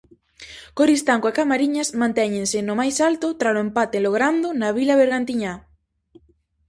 Coristanco e Camariñas mantéñense no máis alto tralo empate logrando na vila bergantiñá.